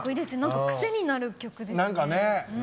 癖になる曲ですね。